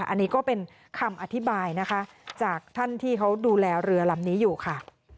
อันนี้ก็เป็นคำอธิบายนะคะจากท่านที่เขาดูแลเรือลำนี้อยู่ค่ะ